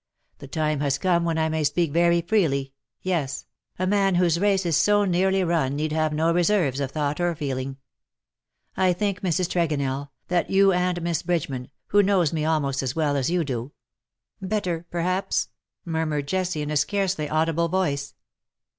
The time has come when I may speak very freely — yes — a man whose race is so nearly run need have no reserves of thought or feeling. I think, Mrs. Tregonell, that you and Miss Bridgeman, who knows me almost as well as you do ^^" Better, perhaps/' murmured Jessie, in a scarcely audible voice.